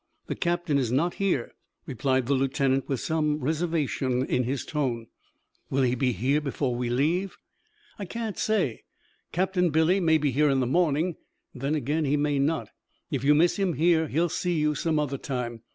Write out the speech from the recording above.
"The captain is not here," replied the lieutenant with some reservation in his tone. "Will he be here before we leave?" "I can't say. Captain Billy may be here in the morning, then again he may not. If you miss him here, he will see you some other time.